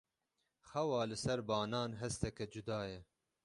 Xewa li ser banan hesteke cuda ye.